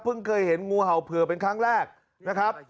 เคยเห็นงูเห่าเผื่อเป็นครั้งแรกนะครับ